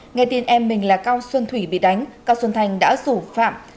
nghe tin em mình là cao xuân thủy bị đánh cao xuân thành đã rủ phạm